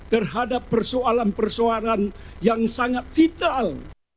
terhadap persoalan persoalan yang sangat vital